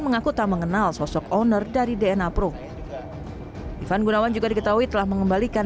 mengaku tak mengenal sosok owner dari dna pro ivan gunawan juga diketahui telah mengembalikan